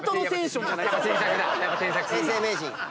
永世名人！